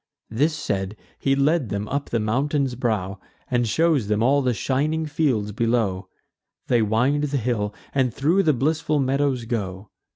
This said, he led them up the mountain's brow, And shews them all the shining fields below. They wind the hill, and thro' the blissful meadows go.